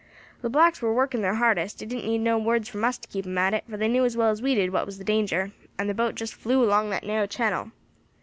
The blacks war working thar hardest; it didn't need no words from us to keep 'em at it, for they knew as well as we did what was the danger, and the boat just flew along that narrow channel."